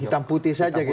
hitam putih saja gitu ya